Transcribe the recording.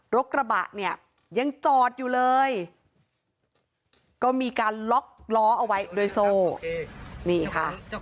รถกระบะเนี่ยยังจอดอยู่เลยก็มีการล็อกล้อเอาไว้ด้วยโซ่นี่ค่ะ